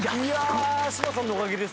柴田さんのおかげですね